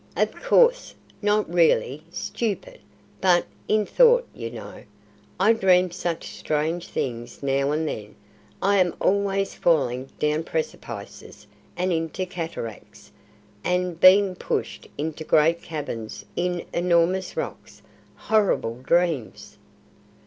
"Of course, not really, stupid! But in thought, you know. I dream such strange things now and then. I am always falling down precipices and into cataracts, and being pushed into great caverns in enormous rocks. Horrible dreams!"